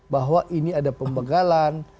bahwa ini ada pembegalan